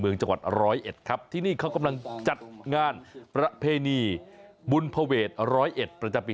จังหวัดร้อยเอ็ดครับที่นี่เขากำลังจัดงานประเพณีบุญภเวทร้อยเอ็ดประจำปี